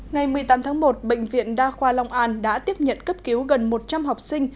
ngày một mươi tám tháng một bệnh viện đa khoa long an đã tiếp nhận cấp cứu gần một trăm linh học sinh